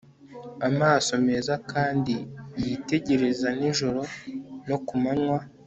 amaso meza kandi yitegereza nijoro no ku manywa